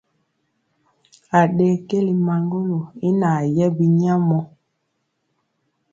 Aɗee keli maŋgolo i naa yɛ binyamɔ.